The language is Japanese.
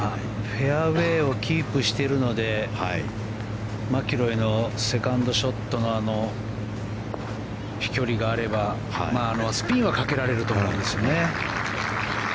フェアウェーをキープしてるのでマキロイのセカンドショットの飛距離があればスピンはかけられると思うんですね。